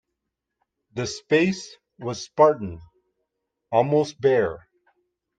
The space was spartan, almost bare.